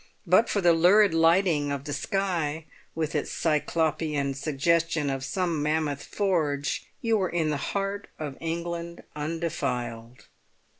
But for the lurid lighting of the sky, with its Cyclopean suggestion of some mammoth forge, you were in the heart of England undefiled.